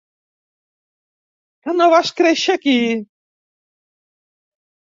Que no vas créixer aquí?